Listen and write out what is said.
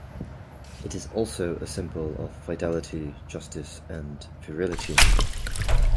It is also a symbol of fidelity, justice and virility.